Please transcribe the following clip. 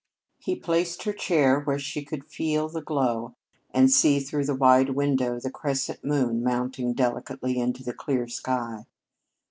He placed her chair where she could feel the glow and see, through the wide window, a crescent moon mounting delicately into the clear sky.